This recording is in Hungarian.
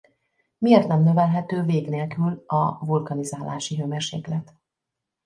Miért nem növelhető vég nélkül a vulkanizálási hőmérséklet?